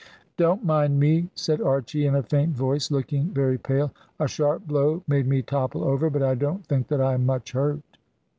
"Don't mind me," said Archy, in a faint voice, looking very pale; "a sharp blow made me topple over, but I don't think that I am much hurt."